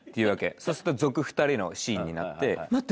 そうすると族２人のシーンになって「待って。